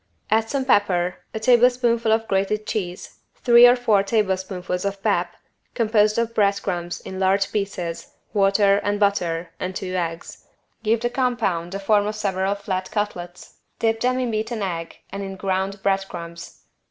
Add some pepper, a tablespoonful of grated cheese, three or four tablespoonfuls of pap, composed of bread crumbs in large pieces, water and butter, and two eggs. Give the compound the form of several flat cutlets, dip them in beaten egg and in ground bread crumbs.